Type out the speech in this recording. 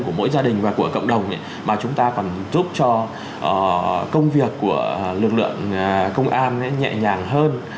của mỗi gia đình và của cộng đồng mà chúng ta còn giúp cho công việc của lực lượng công an nhẹ nhàng hơn